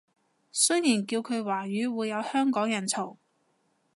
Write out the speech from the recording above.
雖然叫佢華語會有香港人嘈